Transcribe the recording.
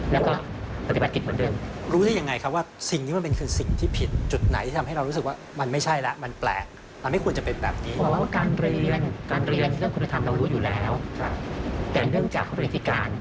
แล้วก็ตฐิบัติกิจเหมือนเดิม